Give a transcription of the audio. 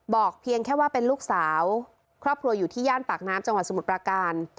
เพียงแค่ว่าเป็นลูกสาวครอบครัวอยู่ที่ย่านปากน้ำจังหวัดสมุทรประการ